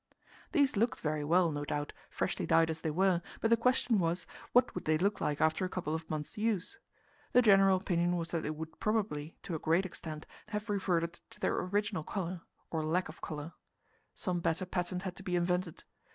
These looked very well, no doubt, freshly dyed as they were, but the question was, What would they look like after a couple of months' use? The general opinion was that they would probably, to a great extent, have reverted to their original colour or lack of colour. Some better patent had to be invented.